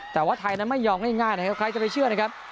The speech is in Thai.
แต่ว่าไทยนั้นไม่ยอมง่ายนะครับใครจะไปเชื่อนะครับ